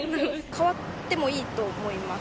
変わってもいいと思います。